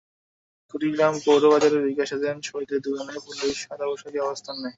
কুড়িগ্রাম পৌর বাজারের বিকাশ এজেন্ট শহিদের দোকানে পুলিশ সাদা পোশাকে অবস্থান নেয়।